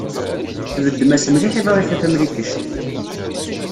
Tbeddem-as mliḥ i Ḍrifa Tamlikect.